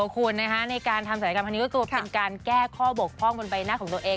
คุณในการทำสายการคนนี้ก็เป็นการแก้ข้อบกพ่องบนใบหน้าของตัวเอง